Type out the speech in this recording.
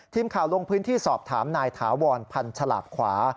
ทีมข่าวลงพื้นที่สอบถามนายถาวรพันธ์ฉลาบขวา